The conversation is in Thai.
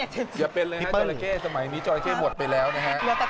อย่าเป็นเลยฮะจราเข้สมัยนี้จอราเข้หมดไปแล้วนะฮะ